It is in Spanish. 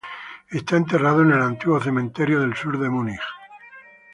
Está enterrado en el antiguo cementerio del sur en Múnich.